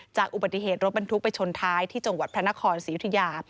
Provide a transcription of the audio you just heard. จากอุบัติเหตุรถบรรทุกไปชนท้ายที่จังหวัดพระนครศรียุธยา